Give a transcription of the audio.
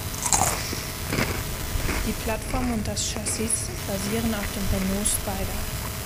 Die Plattform und das Chassis basieren auf dem Renault Spider.